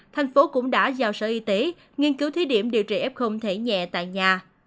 thành phố cũng đã giao sở y tế nghiên cứu thí điểm điều trị f thể nhẹ tại nhà